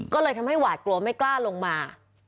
ก็เลยทำให้หวาดกลัวไม่กล้าลงมา